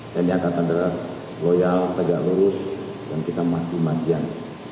tni asakandara loyal tegak lurus dan kita maki makian